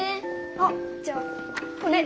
あっじゃあこれ。